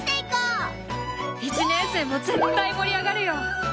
１年生も絶対盛り上がるよ！